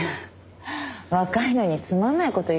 若いのにつまんない事を言うのね。